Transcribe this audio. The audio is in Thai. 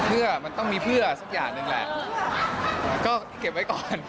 เพื่อมันต้องมีเพื่อสักอย่างหนึ่งแหละก็เก็บไว้ก่อน